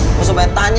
bukan supaya tanya